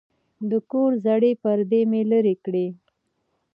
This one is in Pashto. د کور زړې پردې مې لرې کړې.